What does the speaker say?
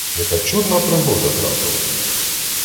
Яка чудна пригода трапилась!